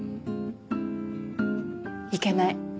いけない。